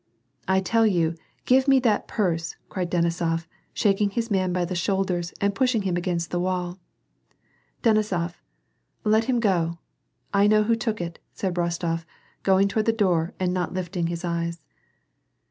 " I tell you, give me that purse," cried Denisof, shaking his man by the shoulders and pushing him against the wall. " Denisof, let him go, I know who took it," said Bostof, going toward the door and not lifting his eyes.